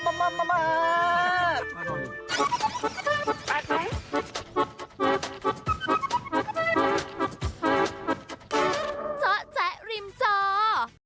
เจ้าแจ๊กริมเจ้า